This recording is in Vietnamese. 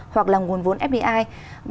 hoặc là nguồn vốn fdi